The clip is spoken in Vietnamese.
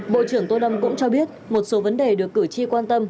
bộ trưởng tô lâm cũng cho biết một số vấn đề được cử tri quan tâm